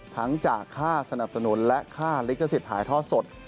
จากค่าสนับสนุนและค่าลิขสิทธิ์ถ่ายทอดสด